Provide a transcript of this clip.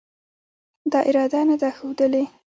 دا اراده نه ده ښودلې